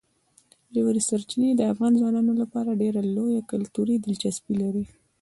ژورې سرچینې د افغان ځوانانو لپاره ډېره لویه کلتوري دلچسپي لري.